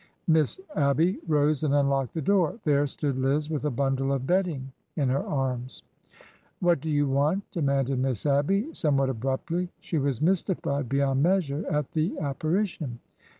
Miss Abby rose and unlocked the door. There stood Liz with a bundle of bedding in her arms. ORDER NO. 11 o What do you want ? demanded Miss Abby, some what abruptly. She was mystified beyond measure at the apparition.